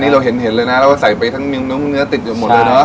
เราเห็นเลยนะแล้วเราใส่ไปทั้งเนื้อติดอยู่หมดเลยเนอะ